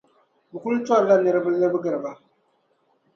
bɛ kul tɔrila niriba libigiri ba.